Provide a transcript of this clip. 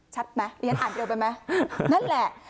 ชัดไหมเรียนอ่านเร็วไปไหมนั่นแหละ